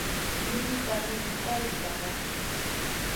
Nʼiigui tani ney ɓaga.